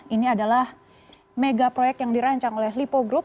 ini adalah mega proyek yang dirancang oleh lipo group